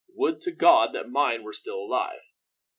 Would to God that mine were still alive."